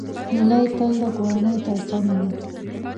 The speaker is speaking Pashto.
هیلۍ تل د کورنۍ تر څنګ وي